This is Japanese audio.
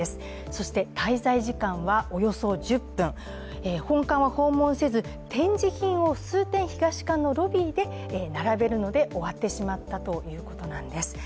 そして滞在時間はおよそ１０分、本館は訪問せず展示品を数点、東館のロビーで並べるので終わってしまったということなんです。